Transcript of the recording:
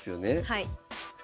はい。